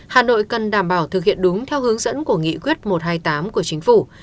hà nội cần đảm bảo thực hiện đúng theo hướng dẫn của nghị quyết một trăm hai mươi tám của chính phủ